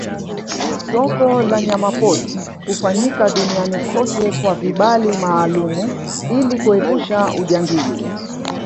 Soko la nyama pori hufanyika Duniani kote kwa vibali maalumu ili kuepusha ujangili